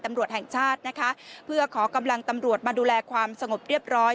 ตำรวจแห่งชาตินะคะเพื่อขอกำลังตำรวจมาดูแลความสงบเรียบร้อย